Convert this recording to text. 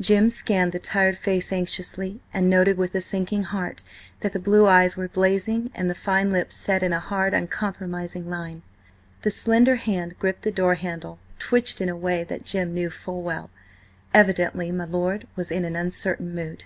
Jim scanned the tired face anxiously, and noted with a sinking heart that the blue eyes were blazing and the fine lips set in a hard, uncompromising line. The slender hand gripping the door handle twitched in a way that Jim knew full well; evidently my lord was in an uncertain mood.